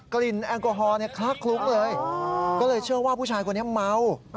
แอลกอฮอล์คลักคลุ้งเลยก็เลยเชื่อว่าผู้ชายคนนี้เมา